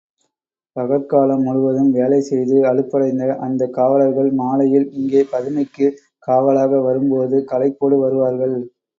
பகற்காலம் முழுவதும் வேலை செய்து அலுப்படைந்த அந்தக் காவலர்கள் மாலையில் இங்கே பதுமைக்குக் காவலாக வரும்போது களைப்போடு வருவார்கள்.